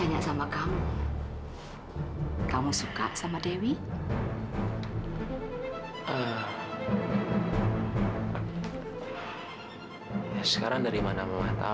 iya aku pecat